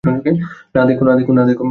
না, দেখো।